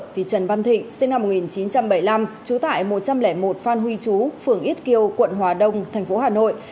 thì trần văn thịnh sinh năm một nghìn chín trăm bảy mươi năm trú tại một trăm linh một phan huy chú phường ít kiêu quận hòa đông thành phố hà nội